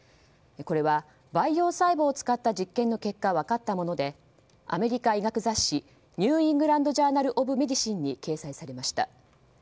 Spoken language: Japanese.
これは培養細胞を使った実験の結果分かったものでアメリカ医学雑誌「ニュー・イングランド・ジャーナル・オブ・メディシン」に掲載されました。